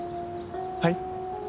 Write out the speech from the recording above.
はい。